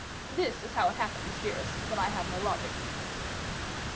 This is how it happens, dearest, that I have no lodging."